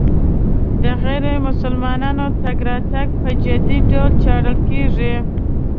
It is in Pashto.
د غیر مسلمانانو تګ راتګ په جدي ډول څارل کېږي.